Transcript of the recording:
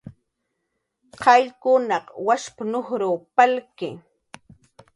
"qayllkunaq washp"" nujruw palki"